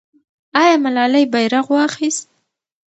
آیا ملالۍ بیرغ واخیست؟